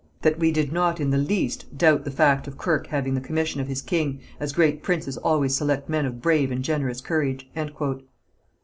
That we did not in the least doubt the fact of Kirke having the commission of his king, as great princes always select men of brave and generous courage."